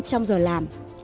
trong giờ làm